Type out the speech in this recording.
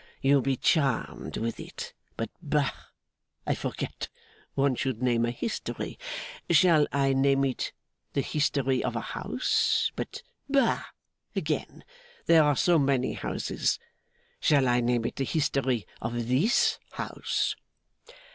You will be charmed with it. But, bah! I forget. One should name a history. Shall I name it the history of a house? But, bah, again. There are so many houses. Shall I name it the history of this house?